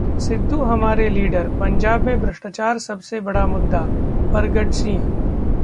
सिद्धू हमारे लीडर, पंजाब में भ्रष्टाचार सबसे बड़ा मुद्दा: परगट सिंह